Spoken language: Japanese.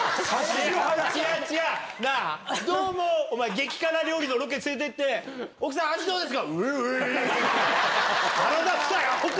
激辛料理のロケ連れていって、奥さん、味どうですか？